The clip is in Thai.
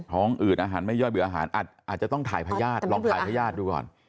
อืดอาหารไม่ย่อยเบื่ออาหารอาจจะต้องถ่ายพญาติลองถ่ายพญาติดูก่อน